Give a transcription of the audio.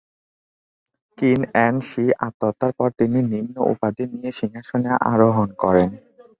কিন এর শি আত্মহত্যার পর তিনি নিম্ন উপাধি নিয়ে সিংহাসনে আরোহণ করেন।